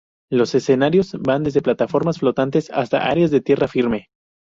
Los escenarios van desde plataformas flotantes hasta áreas de tierra firme.